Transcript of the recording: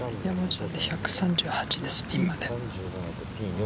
１３８です、ピンまで。